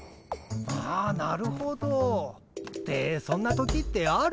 あなるほど。ってそんな時ってある？